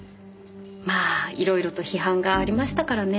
まあ色々と批判がありましたからね。